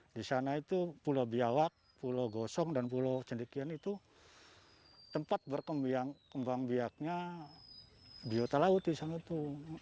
di sana itu pulau biawak pulau gosong dan pulau cendikian itu tempat berkembang biaknya biota laut di sanapu